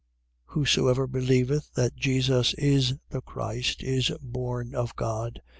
5:1. Whosoever believeth that Jesus is the Christ, is born of God.